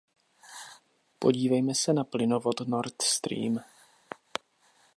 Podívejme se na plynovod Nord Stream.